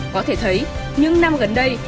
có thể thấy những năm gần đây